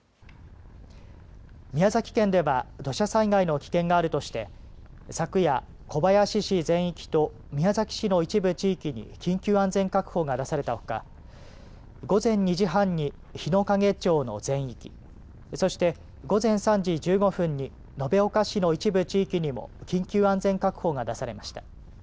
宮崎県では土砂災害の危険があるとして昨夜、小林市全域と宮崎市の一部地域に緊急安全確保が出されたほか午前２時半に日之影町の全域そして午前３時１５分に延岡市の一部地域にも緊急安全確保が出されました。